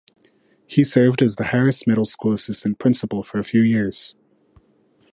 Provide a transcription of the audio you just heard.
He served as the Harris Middle School Assistant Principal for a few years.